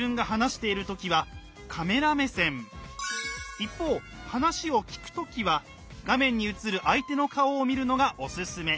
一方話を聞くときは画面に映る相手の顔を見るのがおすすめ。